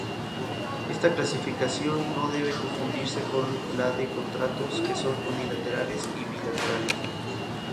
Esta clasificación no debe confundirse con la de contratos que son unilaterales y bilaterales.